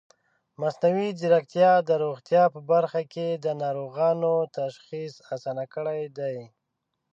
مصنوعي ځیرکتیا د روغتیا په برخه کې د ناروغانو تشخیص اسانه کړی دی.